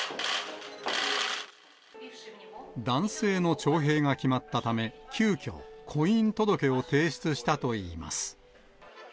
男性の徴兵が決まったため、急きょ、婚姻届を提出したといいます。